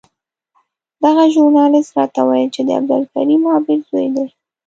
دغه ژورنالېست راته وویل چې د عبدالکریم عابد زوی دی.